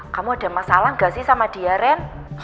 kamu ada masalah gak sih sama dia ren